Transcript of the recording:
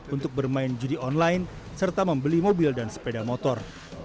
untuk bermain judi online serta membeli mobil dan sepeda motor